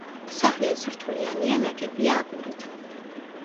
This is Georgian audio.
სახლი ერთსართულიანია ნაგებია აგურით.